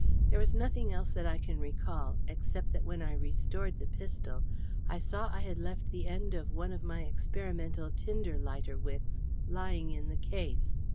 There was nothing else that I can recall, except that when I restored the pistol I saw I had left the end of one of my experimental tinder lighter wicks lying in the case.